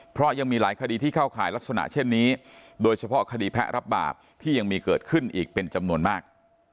เพราะยังมีหลายคดีที่เข้าข่ายลักษณะเช่นนี้โดยเฉพาะคดีแพ้รับบาปที่ยังมีเกิดขึ้นอีกเป็นจำนวนมาก